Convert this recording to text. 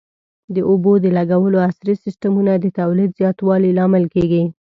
د اوبو د لګولو عصري سیستمونه د تولید زیاتوالي لامل کېږي.